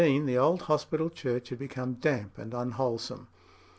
In 1718 the old hospital church had become damp and unwholesome.